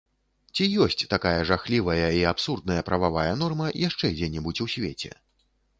Ці ёсць такая жахлівая і абсурдная прававая норма яшчэ дзе-небудзь у свеце?!